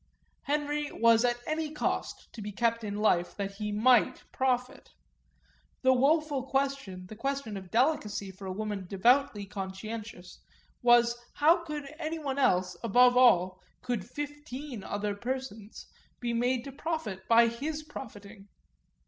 Henry was at any cost to be kept in life that he might profit; the woeful question, the question of delicacy, for a woman devoutly conscientious, was how could anyone else, how, above all, could fifteen other persons, be made to profit by his profiting?